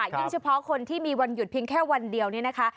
เฉพาะคนที่มีวันหยุดเพียงแค่วันเดียวนี่นะคะ